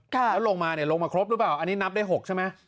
แล้วลงมาเนี่ยลงมาครบหรือเปล่าอันนี้นับได้๖ใช่ไหม